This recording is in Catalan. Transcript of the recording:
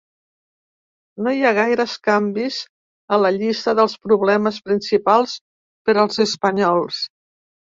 No hi ha gaires canvis a la llista dels problemes principals per als espanyols.